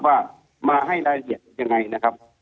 ว่ามาให้รายละเอียดยังไงนะครับ